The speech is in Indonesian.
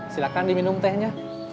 silahkan diminum tehnya